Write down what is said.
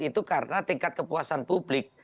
itu karena tingkat kepuasan publik